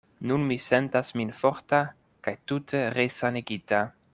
Nun mi sentas min forta kaj tute resanigita.